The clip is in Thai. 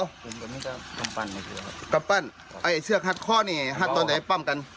นั่นฟังเอาถามนั่นไปเหตุคือยังพูดอะไรไปขึ้น